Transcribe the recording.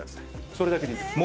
それだけでいいんですか？